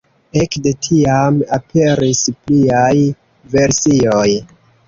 Ekde tiam aperis pliaj versioj.